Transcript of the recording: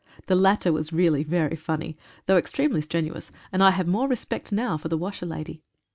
The latter was really very funny, though extremely strenuous, and I have more respect now for the washerlady.